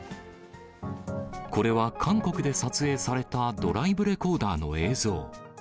これは韓国で撮影されたドライブレコーダーの映像。